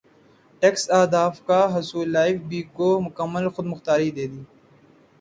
tax اہداف کا حصولایف بی کو مکمل خود مختاری دے دی